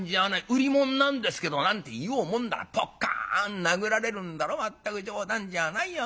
『売り物なんですけど』なんて言おうもんならポッカン殴られるんだろまったく冗談じゃないよ